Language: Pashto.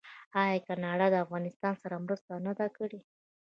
آیا کاناډا د افغانستان سره مرسته نه ده کړې؟